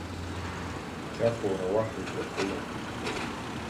Иқьафура уаҳа игәахылом.